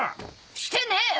してねえよ！